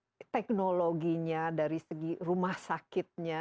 harusnya dari segi teknologinya dari segi rumah sakitnya